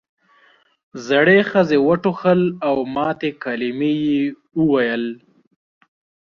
زړې ښځې وټوخل او ماتې کلمې یې وویل.